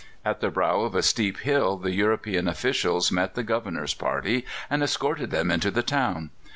At the brow of a steep hill the European officials met the Governor's party, and escorted them into the town.